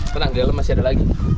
tenang di dalam masih ada lagi